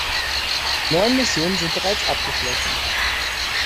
Neun Missionen sind bereits abgeschlossen.